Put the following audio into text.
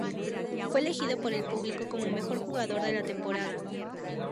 Fue elegido por el público como mejor jugador de la temporada.